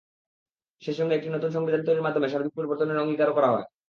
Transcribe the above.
সেই সঙ্গে একটি নতুন সংবিধান তৈরির মাধ্যমে সার্বিক পরিবর্তনের অঙ্গীকারও করা হয়।